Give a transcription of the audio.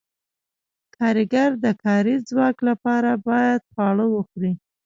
کارګر د کاري ځواک لپاره باید خواړه وخوري.